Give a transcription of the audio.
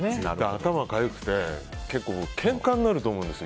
頭がかゆくて結構けんかになると思うんです